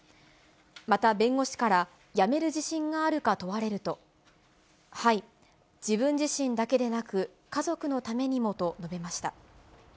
また弁護士から、やめる自信があるか問われると、はい、自分自身だけでなく、家族のためにもと述べました。